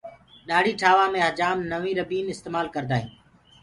ڏآڙهي ٺآوآ مي هجآم نوَو ربيٚن استمآل ڪردآ هينٚ۔